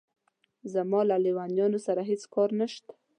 زما له لېونیانو سره هېڅ کار نشته.